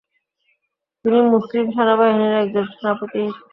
তিনি মুসলিম সেনাবাহিনীর একজন সেনাপতি ছিলেন।